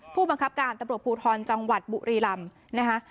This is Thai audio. ผู้บังคับการตำรวจภูทรจังหวัดบุรีรำนะคะ